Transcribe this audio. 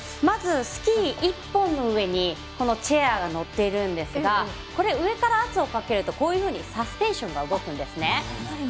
まずスキー１本の上にこのチェアーが乗っているんですが上から圧をかけるとサスペンションが動くんですね。